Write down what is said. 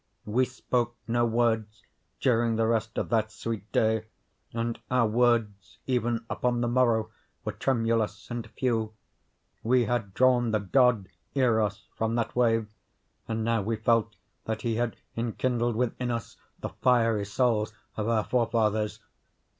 We spoke no words during the rest of that sweet day, and our words even upon the morrow were tremulous and few. We had drawn the God Eros from that wave, and now we felt that he had enkindled within us the fiery souls of our forefathers.